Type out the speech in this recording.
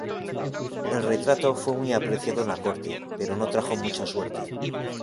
El retrato fue muy apreciado en la corte, pero no trajo mucha suerte.